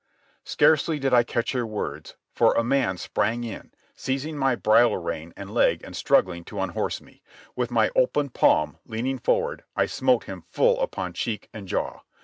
Scarcely did I catch her words, for a man sprang in, seizing my bridle rein and leg and struggling to unhorse me. With my open palm, leaning forward, I smote him full upon cheek and jaw.